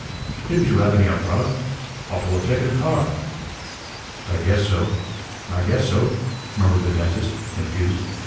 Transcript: "Didn't you have any umbrella? Ought to have taken a car." "I guess so I guess so," murmured the dentist, confused.